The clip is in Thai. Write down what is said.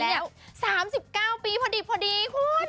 เท่าไหร่แล้ว๓๙ปีพอดีคุณ